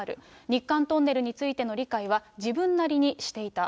日韓トンネルについての理解は、自分なりにしていた。